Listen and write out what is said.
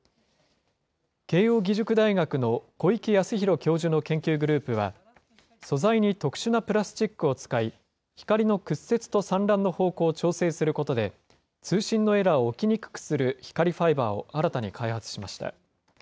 慶應義塾大学の小池康博教授の研究グループは素材に特殊なプラスチックを使い、光の屈折と散乱の方向を調整することで、通信のエラーを起きにくくする光ファイバーを新たに開発しました。